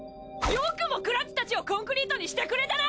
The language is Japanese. よくもクラっちたちをコンクリートにしてくれたな！